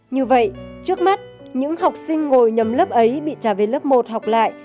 như vậy trước mắt những học sinh ngồi nhầm lớp ấy bị trả về lớp một học lại